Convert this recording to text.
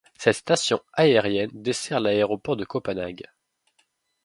Cette station aérienne dessert l'aéroport de Copenhague.